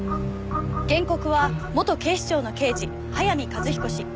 原告は元警視庁の刑事早見一彦氏。